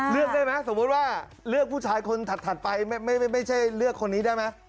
เลือกได้ไหมสมมุติว่าเลือกผู้ชายคนถัดไปไม่ใช่เลือกคนนี้ได้ไหม